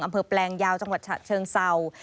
อำเภอแปลงยาวจังหวัดเชิงเศร้า